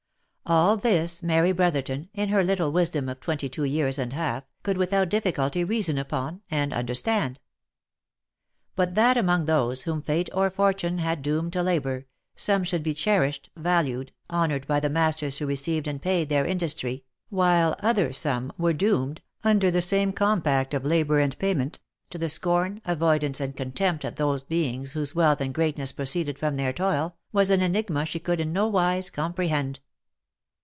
AU this, Mary Brotherton, in her little wisdom of twenty two years and a half, H 98 THE LIFE AND ADVENTURES could without difficulty reason upon and understand. But that among those whom fate or fortune had doomed to labour, some should be cherished, valued, honoured by the masters who received and paid their industry, while " other some" were doomed, under the same com pact of labour and payment, to the scorn, avoidance, and contempt of the beings whose wealth and greatness proceeded from their toil, was an enigma she could in no wise comprehend.